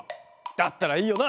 だったらいいよな。